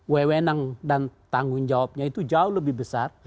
wewenang dan tanggung jawabnya itu jauh lebih besar